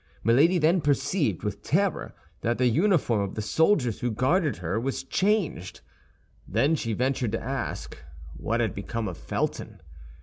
Milady then perceived, with terror, that the uniform of the soldiers who guarded her was changed. Then she ventured to ask what had become of Felton.